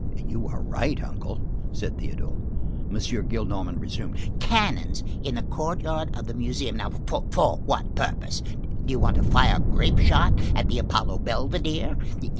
"You are right, uncle," said Théodule. M. Gillenormand resumed:— "Cannons in the courtyard of the Museum! For what purpose? Do you want to fire grape shot at the Apollo Belvedere?